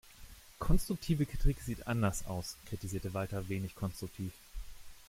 "Konstruktive Kritik sieht anders aus", kritisierte Walter wenig konstruktiv.